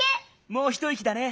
もうひといきだね。